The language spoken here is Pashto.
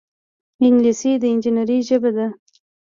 انګلیسي د انجینرۍ ژبه ده